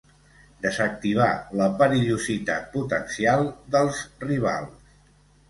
Desactivar la perillositat potencial dels rivals.